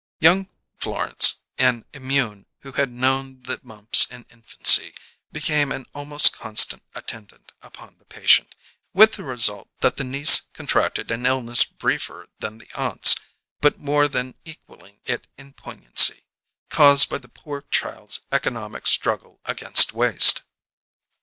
Young Florence, an immune who had known the mumps in infancy, became an almost constant attendant upon the patient, with the result that the niece contracted an illness briefer than the aunt's, but more than equalling it in poignancy, caused by the poor child's economic struggle against waste.